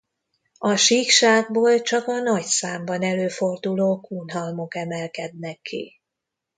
A síkságból csak a nagy számban előforduló kunhalmok emelkednek ki.